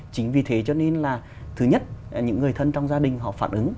chính vì thế cho nên là thứ nhất những người thân trong gia đình họ phản ứng